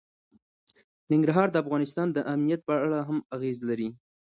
ننګرهار د افغانستان د امنیت په اړه هم اغېز لري.